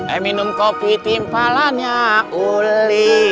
eh minum kopi timpalan ya uli